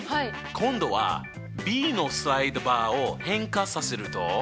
今度はｂのスライドバーを変化させると？